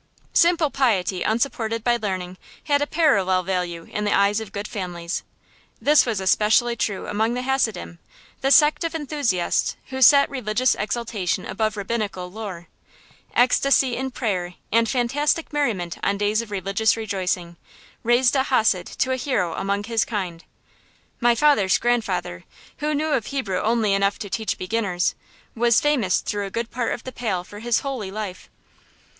Simple piety unsupported by learning had a parallel value in the eyes of good families. This was especially true among the Hasidim, the sect of enthusiasts who set religious exaltation above rabbinical lore. Ecstasy in prayer and fantastic merriment on days of religious rejoicing, raised a Hasid to a hero among his kind. My father's grandfather, who knew of Hebrew only enough to teach beginners, was famous through a good part of the Pale for his holy life.